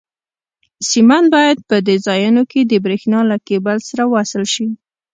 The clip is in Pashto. سیمان باید په دې ځایونو کې د برېښنا له کېبل سره وصل شي.